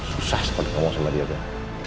susah sekali ngomong sama dia pak